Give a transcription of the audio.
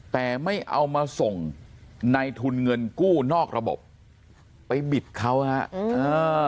แต่ไม่เอามาส่งในทุนเงินกู้นอกระบบไปบิดเขาฮะอืมอ่า